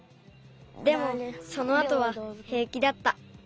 でもそのあとはへいきだった。